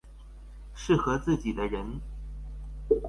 適合自己的人